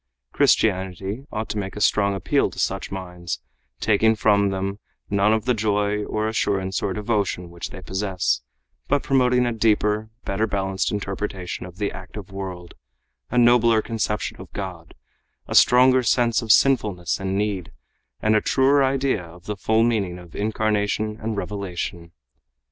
Christianity ought to make a strong appeal to such minds, taking from them none of the joy or assurance or devotion which they possess, but promoting a deeper, better balanced interpretation of the active world, a nobler conception of God, a stronger sense of sinfulness and need, and a truer idea of the full meaning of incarnation and revelation.